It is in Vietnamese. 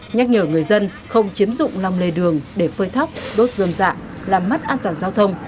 nhắc nhở người dân không chiếm dụng lòng lề đường để phơi thóc đốt dơm dạ làm mất an toàn giao thông